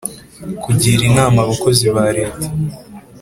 Kugira inama Abakozi ba Leta